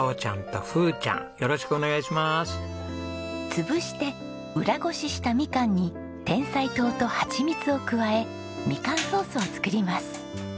潰して裏ごししたみかんにてんさい糖とハチミツを加えみかんソースを作ります。